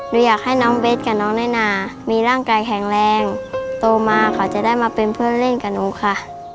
อยากให้น้องเบสกับน้องน้อยนามีร่างกายแข็งแรงโตมาค่ะจะได้มาเป็นเพื่อนเล่นกับหนูค่ะ